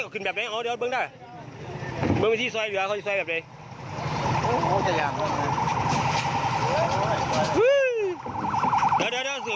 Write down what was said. เขาต้องจับวิธีจับเขาจะได้ไง